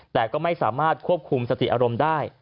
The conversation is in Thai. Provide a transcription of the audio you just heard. แต่ก็ไม่สามารถควบคุมสติอารมณ์ได้